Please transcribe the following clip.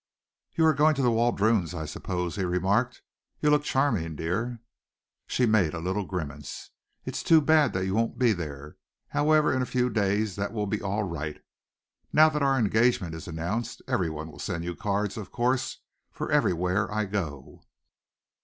"You are going to the Waldrons', I suppose?" he remarked. "You look charming, dear." She made a little grimace. "It's too bad that you won't be there. However, in a few days that will be all right. Now that our engagement is announced, everyone will send you cards, of course, for everywhere I go."